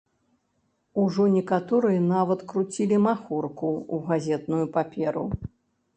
Ужо некаторыя нават круцілі махорку ў газетную паперу.